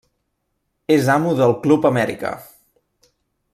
És amo del Club Amèrica.